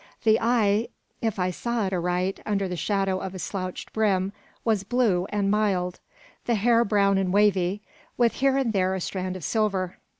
The eye, if I saw it aright under the shadow of a slouched brim, was blue and mild; the hair brown and wavy, with here and there a strand of silver.